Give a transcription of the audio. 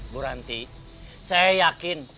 buranti saya yakin